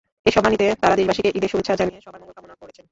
এসব বাণীতে তাঁরা দেশবাসীকে ঈদের শুভেচ্ছা জানিয়ে সবার মঙ্গল কামনা করেছেন।